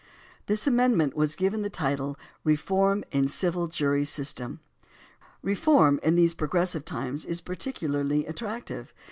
This amendment was given the title "Reform in Civil Jury System." "Reform" in these progressive times is pecuUarly attractive.